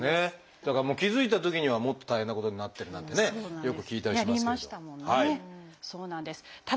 だからもう気付いたときにはもっと大変なことになってるなんてねよく聞いたりしますけれど。